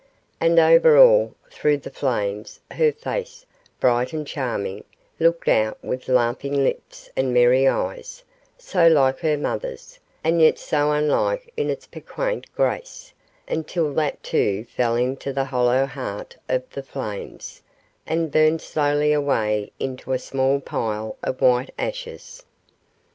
And over all, through the flames, her face, bright and charming, looked out with laughing lips and merry eyes so like her mother's, and yet so unlike in its piquant grace until that too fell into the hollow heart of the flames, and burned slowly away into a small pile of white ashes.